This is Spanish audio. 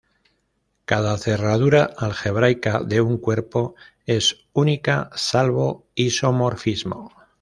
Cada cerradura algebraica de un cuerpo es única salvo isomorfismo.